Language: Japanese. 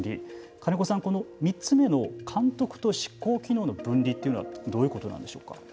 金子さん、３つ目の監督と執行機能の分離というのはどういうことなんでしょうか。